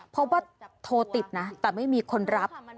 เพราะว่าโทรติดนะแต่ไม่มีคนรับ